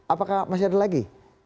apakah masih ada lagi